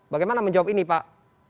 bagaimana menjawab ini pak